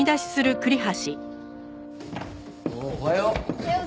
おはよう。